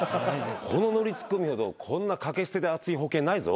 このノリツッコミほどこんな掛け捨てで厚い保険ないぞ。